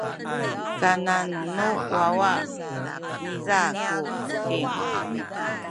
kanan nu wawa niza ku buting.